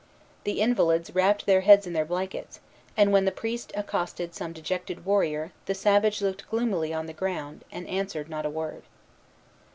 The invalids wrapped their heads in their blankets; and when the priest accosted some dejected warrior, the savage looked gloomily on the ground, and answered not a word.